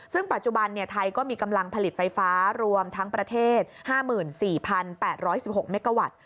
ซึ่งปัจจุบันไทยก็มีกำลังผลิตไฟฟ้ารวมทั้งประเทศ๕๔๘๑๖เมกาวัตต์